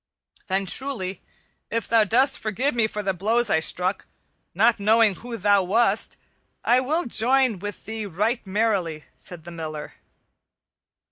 "Then truly, if thou dost forgive me for the blows I struck, not knowing who thou wast, I will join with thee right merrily," said the Miller.